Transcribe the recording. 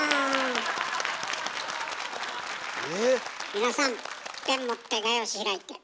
皆さんペン持って画用紙開いて。